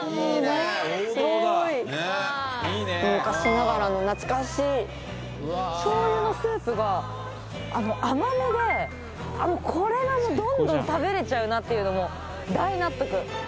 すごーい昔ながらの懐かしい醤油のスープが甘めでこれはもうどんどん食べれちゃうなっていうのも大納得